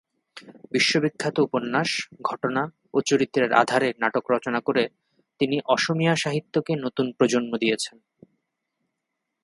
বিশ্ববিখ্যাত উপন্যাস, ঘটনা ও চরিত্রের আধারে নাটক রচনা করে তিনি অসমীয়া সাহিত্যকে নতুন প্রজন্ম দিয়েছেন।